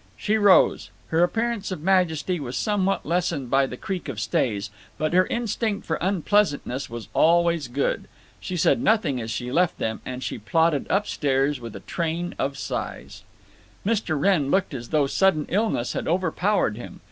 She rose. Her appearance of majesty was somewhat lessened by the creak of stays, but her instinct for unpleasantness was always good. She said nothing as she left them, and she plodded up stairs with a train of sighs. Mr. Wrenn looked as though sudden illness had overpowered him.